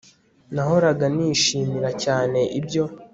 Nahoraga nishimira cyane ibyo